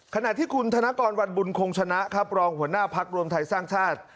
ขณะที่คุณธนกรวันบุญคงชนะครับรองหัวหน้าพักรวมไทยสร้างชาติ